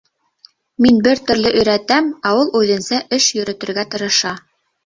Мин бер төрлө өйрәтәм, ә ул үҙенсә эш йөрөтөргә тырыша.